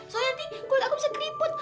soalnya nanti kulit aku bisa keriput